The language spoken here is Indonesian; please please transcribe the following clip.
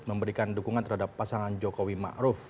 memberikan dukungan terhadap pasangan jokowi ma'ruf